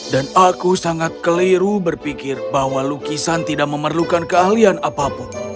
dan aku sangat keliru berpikir bahwa lukisan tidak memerlukan keahlian apapun